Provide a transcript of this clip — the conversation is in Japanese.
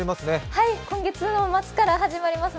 はい、今月の末から始まります。